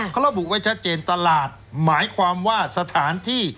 เขาระบุไว้ชัดเจนตลาดหมายความว่าสถานที่